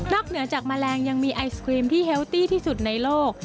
เหนือจากแมลงยังมีไอศครีมที่เฮลตี้ที่สุดในโลก